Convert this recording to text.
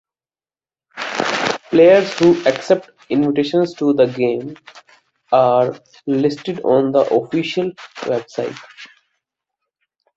Players who accept invitations to the game are listed on the official website.